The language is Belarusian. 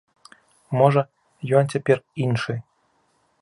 Можа, ён цяпер іншы.